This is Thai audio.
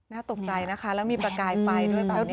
น่าตกใจนะคะแล้วมีประกายไฟด้วยแบบนี้